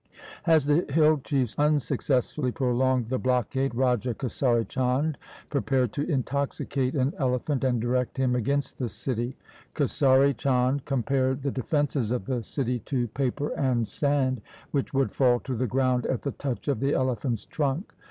As the hill chiefs unsuccessfully prolonged the blockade, Raja Kesari Chand prepared to intoxicate an elephant and direct him against the city. Kesari Chand compared the defences of the city to paper LIFE OF GURU GOBIND SINGH 133 and sand, which would fall to the ground at the touch of the elephant's trunk.